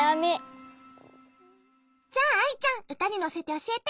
じゃあアイちゃんうたにのせておしえて。